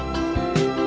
và đau khổ